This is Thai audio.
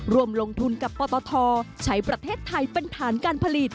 รวมลงทุนกับปตทใช้ประเทศไทยเป็นฐานการผลิต